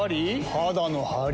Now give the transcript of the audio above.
肌のハリ？